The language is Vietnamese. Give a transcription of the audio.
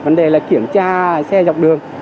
vấn đề là kiểm tra xe dọc đường